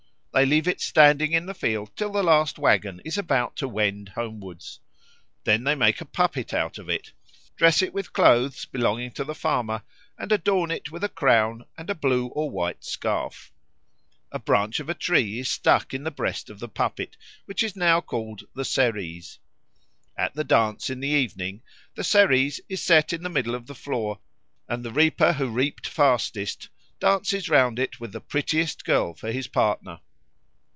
They leave it standing in the field till the last waggon is about to wend homewards. Then they make a puppet out of it, dress it with clothes belonging to the farmer, and adorn it with a crown and a blue or white scarf. A branch of a tree is stuck in the breast of the puppet, which is now called the Ceres. At the dance in the evening the Ceres is set in the middle of the floor, and the reaper who reaped fastest dances round it with the prettiest girl for his partner.